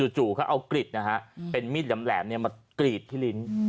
จู่เขาเอากรีดนะฮะเป็นมีดแหลมมากรีดที่ลิ้น